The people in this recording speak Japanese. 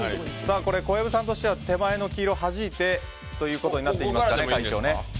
これ、小籔さんとしては手前の黄色をはじいてということになってきますかね会長。